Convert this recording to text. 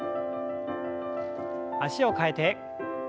脚を替えて。